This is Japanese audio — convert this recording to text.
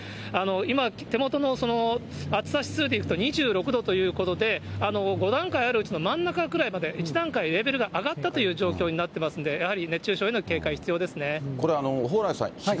今、手元の暑さ指数で言うと、２６度ということで、５段階あるうちの真ん中ぐらいまで、１段階レベルが上がったという状況になってますんで、やはり熱中これ、蓬莱さん、そうですね。